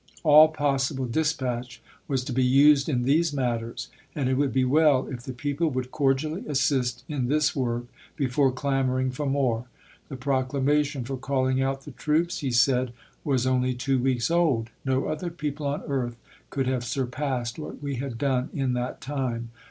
All possible dispatch was to be used in these matters, and it would be well if the people would cordially assist in this work before clamoring for more. The proclamation for calling out the troops, he said, was only two weeks old ; no other people J. H., on earth could have surpassed what we had done i/ism'. m¥ in that time.